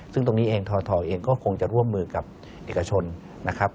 ซึ่งตรงนี้เองททเองก็คงจะร่วมมือกับเอกชนนะครับ